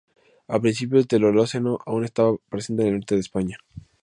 A principios del Holoceno aún estaba presente en el norte de España.